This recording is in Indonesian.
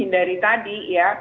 dari tadi ya